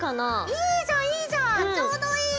いいじゃんいいじゃんちょうどいい！